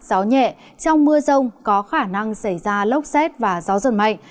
gió nhẹ trong mưa rông có khả năng xảy ra lốc xét và gió giật mạnh